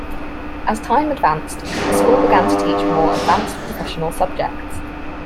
As time advanced, the school began to teach more advanced professional subjects.